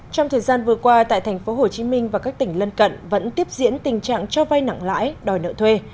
trong thời gian vừa qua tại tp hcm và các tỉnh lân cận vẫn tiếp diễn tình trạng cho vai nặng lãi đòi nợ thuê